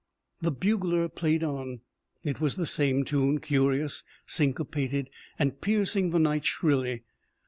The bugler played on. It was the same tune, curious, syncopated and piercing the night shrilly.